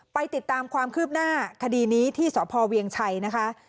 ไปติดตามความคืบหน้าคดีนี้ที่สพเวียงชัยนะคะ